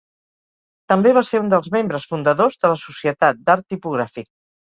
També va ser un dels membres fundadors de la Societat d'Art Tipogràfic.